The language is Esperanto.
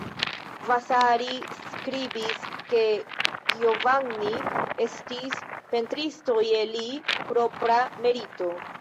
Vasari skribis ke Giovanni estis pentristo je li propra merito.